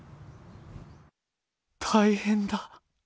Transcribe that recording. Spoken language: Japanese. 大変だ。